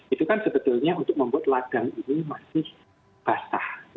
itu kan sebetulnya untuk membuat ladang ini masih basah